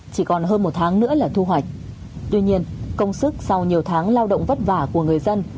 chỉ còn hơn một tháng nữa là thu hoạch tuy nhiên công sức sau nhiều tháng lao động vất vả của người dân